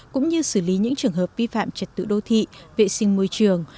cũng như xử lý những trường hợp vi phạm trật tự đô thị vệ sinh môi trường